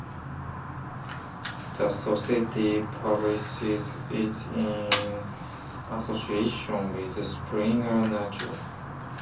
The society publishes it in association with Springer Nature.